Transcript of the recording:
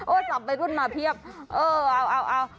โอ้ยจับไปขึ้นมาเพียบเออเอาเอาเอา